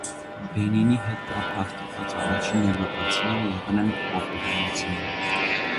Բենինի հետ կապ հաստատած առաջին եվրոպացիները եղել են պորտուգալացիները։